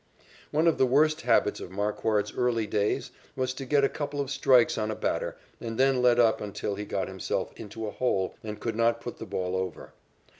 One of the worst habits of Marquard's early days was to get a couple of strikes on a batter and then let up until he got himself "into a hole" and could not put the ball over.